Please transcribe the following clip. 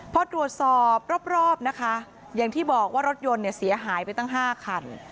พอตรวจสอบรอบนะคะอย่างที่บอกว่ารถยนต์เนี่ยเสียหายไปตั้ง๕คัน